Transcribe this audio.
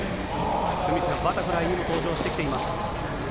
スミスはバタフライにも登場してきています。